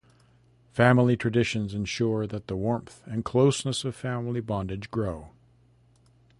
Family traditions ensure that the warmth and closeness of family bondage grow.